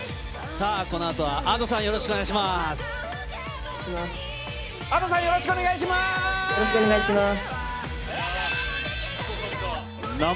さあ、このあとはＡｄｏさん、よろしくお願いします。